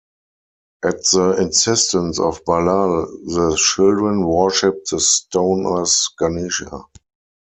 At the insistence of Ballal, the children worshiped the stone as Ganesha.